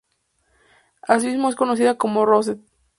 Asimismo es conocida como Rosette.